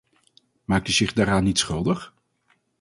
Maakt u zich daaraan niet schuldig.